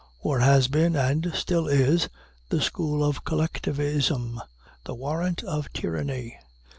War has been, and still is, the school of collectivism, the warrant of tyranny.